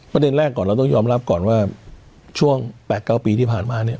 ประเด็นแรกก่อนเราต้องยอมรับก่อนว่าช่วง๘๙ปีที่ผ่านมาเนี่ย